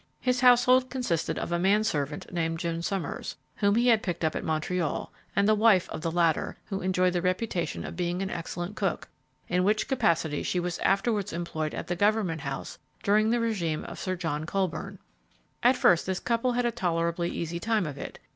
His household consisted of a man servant named Jim Summers, whom he had picked up at Montreal, and the wife of the latter, who enjoyed the reputation of being an excellent cook, in which capacity she was afterwards employed at the Government House during the regime of Sir John Colborne. At first this couple had a tolerably easy time of it.